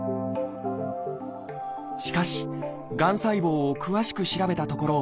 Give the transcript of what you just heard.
しかしがん細胞を詳しく調べたところ